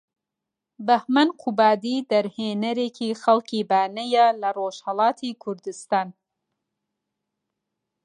بەهمەن قوبادی دەرهێنەرێکی خەڵکی بانەیە لە رۆژهەڵاتی کوردوستان